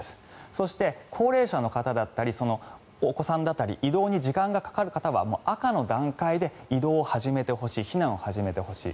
そして、高齢者の方だったりお子さんだったり移動に時間がかかる方は赤の段階で移動を始めてほしい避難を始めてほしい。